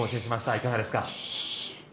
いかがですか？